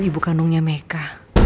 ibu kandungnya meka